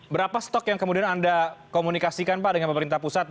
berapa stok yang kemudian anda komunikasikan pak dengan pemerintah pusat